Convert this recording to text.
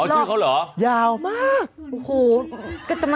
ชื่อเขาเหรอยาวมากโอ้โห